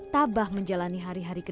nah yang ini